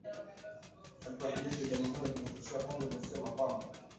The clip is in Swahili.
Taarifa ya jeshi la jamuhuri ya kidemokrasia ya Kongo imesema kwamba